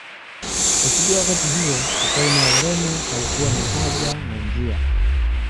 Kufikia wakati huo ufalme wa Ureno haukuwa na haja na njia